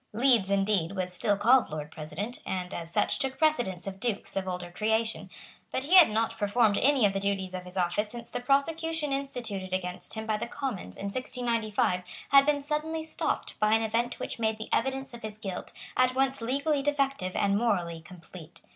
Leeds, indeed, was still called Lord President, and, as such, took precedence of dukes of older creation; but he had not performed any of the duties of his office since the prosecution instituted against him by the Commons in 1695 had been suddenly stopped by an event which made the evidence of his guilt at once legally defective and morally complete.